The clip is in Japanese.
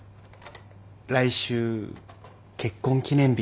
来週結婚記念日。